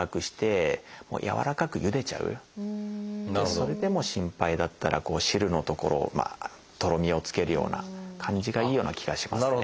それでも心配だったら汁のところをとろみをつけるような感じがいいような気がしますね。